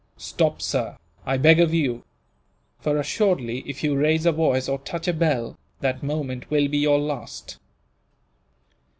"Stop, sir, I beg of you; for assuredly, if you raise a voice or touch a bell, that moment will be your last."